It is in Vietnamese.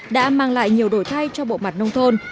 đã mang lại nhiều đổi thay cho bộ mặt nông thôn